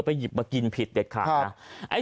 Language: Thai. หยิบมากินผิดเด็ดขาดนะ